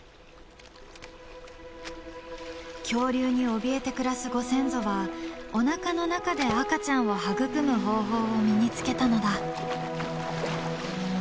恐竜におびえて暮らすご先祖はおなかの中で赤ちゃんを育む方法を身につけたのだ。